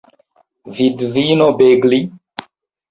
Vidvino Begli?